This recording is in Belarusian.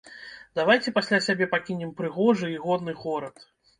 Давайце пасля сябе пакінем прыгожы і годны горад.